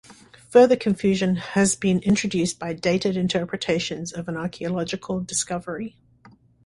Further confusion has been introduced by dated interpretations of an archaeological discovery.